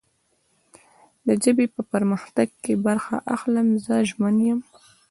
د ژبې په پرمختګ کې برخه اخلم. زه ژمن یم